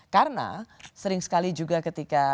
karena sering sekali juga ketika